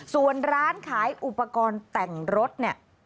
ส่วนร้านขายอุปกรณ์แต่งรถเนี่ย